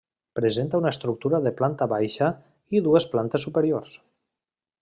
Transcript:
Presenta una estructura de planta baixa i dues plantes superiors.